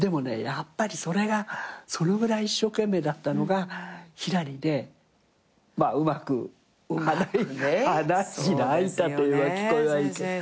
やっぱりそれがそのぐらい一生懸命だったのが『ひらり』でまあうまく花開いたといえば聞こえはいいけど。